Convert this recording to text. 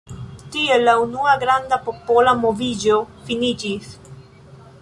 Tiel la unua granda popola moviĝo finiĝis.